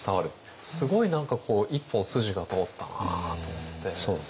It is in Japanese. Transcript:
すごい何かこう一本筋が通ったなと思って。